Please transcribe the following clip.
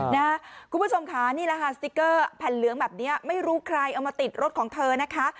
นะครับคุณผู้ชมคานี่ราหารสติกเกอร์แผ่นเหลืองแบบเนี้ยไม่รู้ใครเอามาติดรถของเธอนะคะ